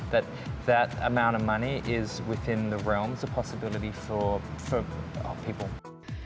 begitulah jumlah uangnya di dalam segi kemungkinan untuk orang lain